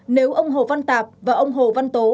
nếu ông hồ văn tạp và ông hồ văn tố